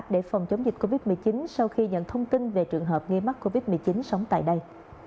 để phòng chống dịch covid một mươi chín sau khi nhận thông tin về trường hợp nghi mắc covid một mươi chín sống tại đây